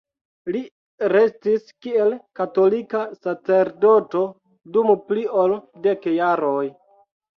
Li restis kiel katolika sacerdoto dum pli ol dek jaroj.